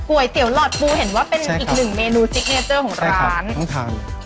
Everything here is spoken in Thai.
ก๋วยเตี๋ยวหลอดครูเห็นว่าเป็นอีกหนึ่งเมนูซิกเนเจอร์ของร้านใช่ครับต้องทาน